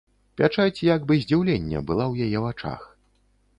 Пячаць як бы здзіўлення была ў яе вачах.